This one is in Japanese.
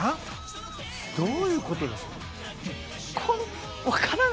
どういうことですか。